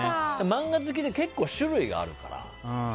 漫画好きで結構種類があるから。